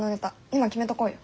今決めとこうよ。